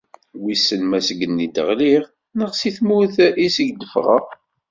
Wissen ma seg yigenni i d-ɣliɣ neɣ si tmurt iseg d-ffɣeɣ.